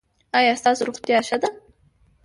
ایا ستاسو روغتیا ښه ده؟